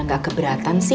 udah ke kamar dulu